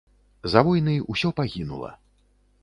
За войны ўсё пагінула.